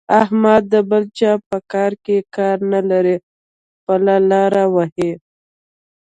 احمد د بل چا په کار کې کار نه لري؛ خپله لاره وهي.